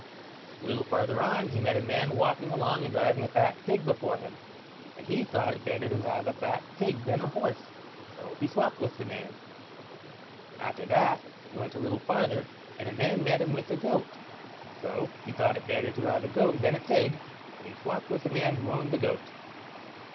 A little farther on he met a man walking along and driving a fat pig before him, and he thought it better to have a fat pig than a horse, so he swopped with the man. After that he went a little farther, and a man met him with a goat; so he thought it better to have a goat than a pig, and he swopped with the man that owned the goat.